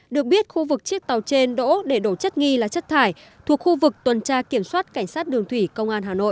được biết khu vực chiếc tàu trên đỗ để đổ chất nghi là chất thải thuộc khu vực tuần tra kiểm soát cảnh sát đường thủy công an hà nội